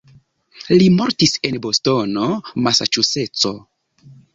Li mortis en Bostono, Masaĉuseco.